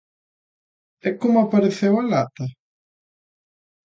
E como apareceu a lata?